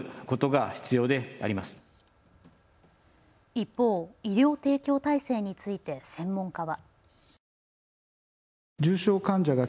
一方、医療提供体制について専門家は。